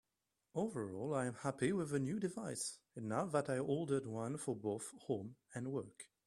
Overall I'm happy with the new device, enough that I ordered one for both home and work.